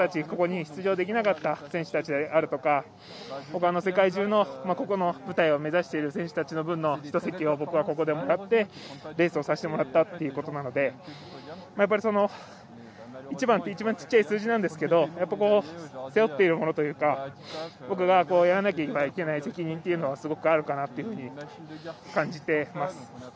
ここに出場できなかった選手たちであるとか世界中のこの舞台を目指している選手たちの分の１席を僕がここでもらってレースをさせてもらったということなので１番という小さい数字ですが背負っているものというか僕がやらなきゃいけない責任というのはすごくあるかなと感じています。